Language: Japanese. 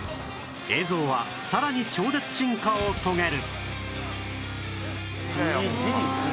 映像はさらに超絶進化を遂げる！